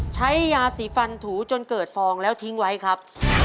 ใช้ยาสีฟันถูจนเกิดฟองแล้วทิ้งไว้ครับ